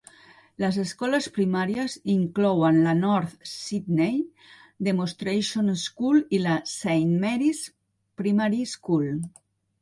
Les escoles primàries inclouen la North Sydney Demonstration School i la Saint Marys Primary School.